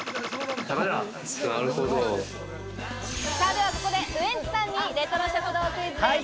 ではここでウエンツさんにレトロ食堂クイズです。